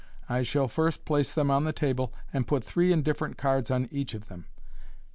I shall first place them on the table, and put three indifferent cards on each of them."